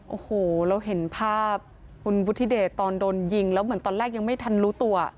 โอ้โหเราเห็นภาพคุณวุฒิเดชตอนโดนยิงแล้วเหมือนตอนแรกยังไม่ทันรู้ตัว